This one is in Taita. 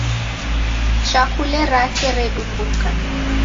Chakule rake redumbuka.